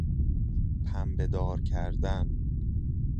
پنبه دار کردن